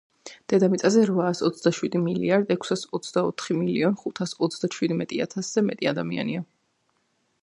დედამიწაზე რვაას ოცდაშვიდი მილიარდ ექვსას ოცდაოთხი მილიონ ხუთას ოცდაჩვიდმეტიათასზე მეტი ადამიანია.